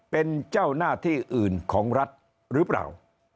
เป็นเจ้าหน้าที่อื่นของรัฐหรือเปล่า